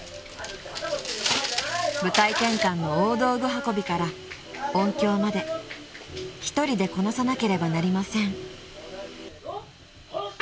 ［舞台転換の大道具運びから音響まで一人でこなさなければなりません］